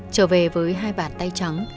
trở về với hai bàn tay trắng